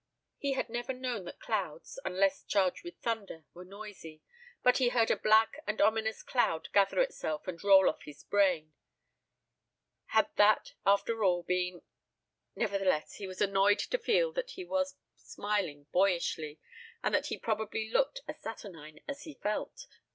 He had never known that clouds, unless charged with thunder, were noisy. But he heard a black and ominous cloud gather itself and roll off his brain. Had that, after all, been ... Nevertheless, he was annoyed to feel that he was smiling boyishly and that he probably looked as saturnine as he felt.